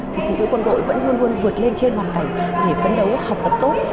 thì phụ nữ quân đội vẫn luôn luôn vượt lên trên hoàn cảnh để phấn đấu học tập tốt